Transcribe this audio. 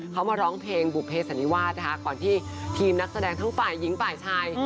เขามาร้องเพลงบุภเสันนิวาสนะคะก่อนที่ทีมนักแสดงทั้งฝ่ายหญิงฝ่ายชาย